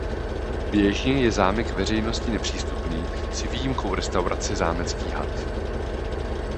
Běžně je zámek veřejnosti nepřístupný s výjimkou restaurace Zámecký had.